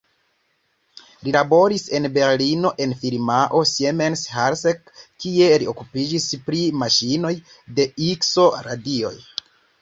Li laboris en Berlino en firmao "Siemens–Halske", kie li okupiĝis pri maŝinoj de ikso-radioj.